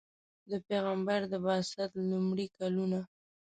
د پیغمبر د بعثت لومړي کلونه.